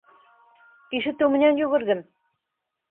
Ишетеү менән йүгерҙем.